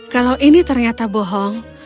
kalau ini ternyata bohong